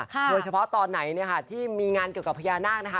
โดยเฉพาะตอนไหนเนี่ยค่ะที่มีงานเกี่ยวกับพญานาคนะคะ